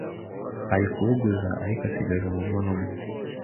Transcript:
arikubuguza ariko asigaje umuvuno umwe